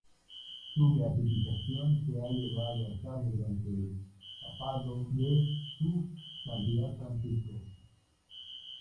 Su beatificación se ha llevado a cabo durante el papado de Su Santidad Francisco.